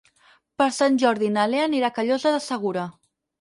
Per Sant Jordi na Lea anirà a Callosa de Segura.